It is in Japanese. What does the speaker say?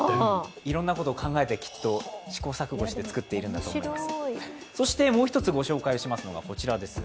いろんなことを考えて試行錯誤して作っているんだと思います。